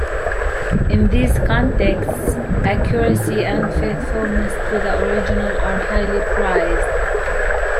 In these contexts, accuracy and faithfulness to the original are highly prized.